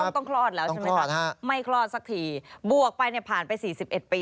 ต้องคลอดแล้วใช่ไหมครับไม่คลอดสักทีบวกไปเนี่ยผ่านไป๔๑ปี